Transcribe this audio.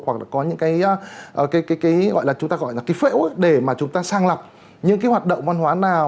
hoặc là có những cái gọi là chúng ta gọi là cái phễu để mà chúng ta sang lọc những cái hoạt động văn hóa nào